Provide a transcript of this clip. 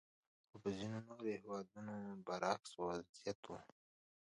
خو په ځینو نورو هېوادونو برعکس وضعیت وو.